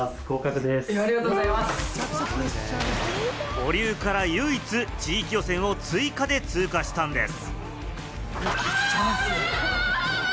保留から唯一地域予選を追加で通過したんです。